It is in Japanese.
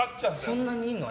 そんなにいんの？